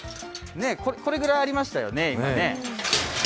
これぐらいありましたよね、今ね。